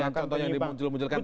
yang contoh yang dimunculkan tadi